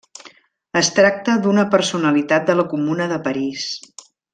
Es tracta d'una personalitat de la Comuna de París.